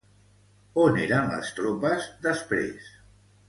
On eren les tropes després?